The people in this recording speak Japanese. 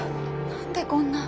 何でこんな。